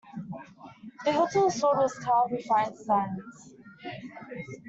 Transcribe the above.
The hilt of the sword was carved with fine designs.